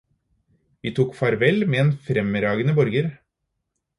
Vi tok farvel med en fremragende borger.